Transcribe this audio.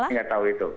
saya nggak tahu itu